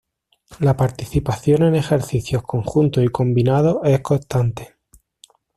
La participación en ejercicios conjuntos y combinados es constante.